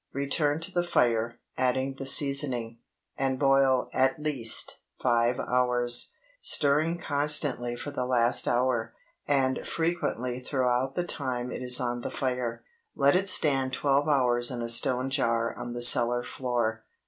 Return to the fire, add the seasoning, and boil at least five hours, stirring constantly for the last hour, and frequently throughout the time it is on the fire. Let it stand twelve hours in a stone jar on the cellar floor.